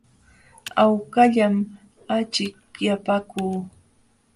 Hawkallam achikyapaakuu.